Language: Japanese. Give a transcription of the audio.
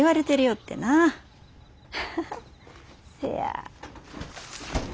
せや。